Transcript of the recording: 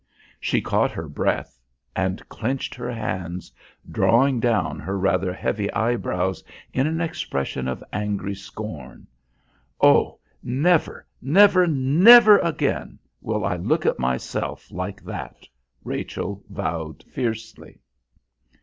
She caught her breath and clenched her hands, drawing down her rather heavy eyebrows in an expression of angry scorn. "Oh! never, never, never again, will I look at myself like that," Rachel vowed fiercely.